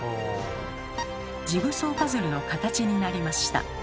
ジグソーパズルの形になりました。